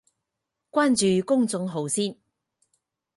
關注公眾號先